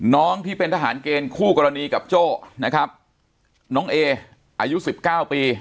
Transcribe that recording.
น้องที่เป็นทหารเกณฑ์คู่กรณีกับโจ้นะครับน้องเออายุสิบเก้าปี